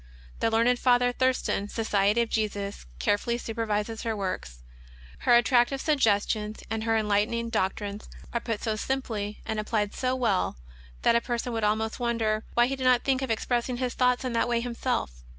The learned Father Thurston, S. J., carefully supervises her works. Her attractive suggestions, and her enlightening doctrines are put so simply, and applied so well, that a person w^ould almost FOEEWOEIX xiii wonder why he did not think of expressing his thoughts in that way himself.